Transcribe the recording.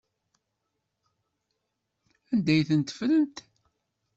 Anda ay tent-ffrent?